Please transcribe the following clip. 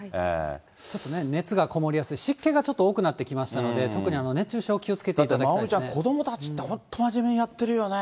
ちょっとね、熱がこもりやすい、湿気がちょっと多くなってきましたので、特に熱中症に気をつあと、まおみちゃん、子どもたちって本当、まじめにやってるよね。